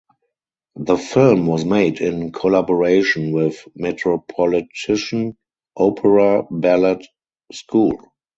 The film was made in collaboration with Metropolitan Opera Ballet School.